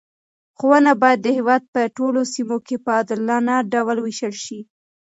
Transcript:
ښوونه باید د هېواد په ټولو سیمو کې په عادلانه ډول وویشل شي.